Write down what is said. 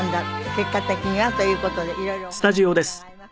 結果的にはという事でいろいろお話伺います。